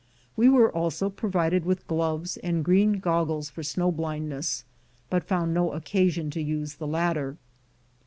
We were also provided with gloves, and green goggles for snow blindness, but found no occasion to use the latter.